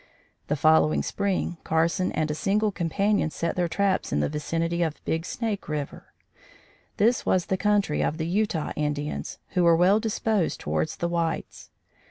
The following spring Carson and a single companion set their traps in the vicinity of Big Snake River. This was the country of the Utah Indians, who were well disposed towards the whites.